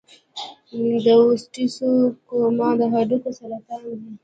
د اوسټیوسارکوما د هډوکو سرطان دی.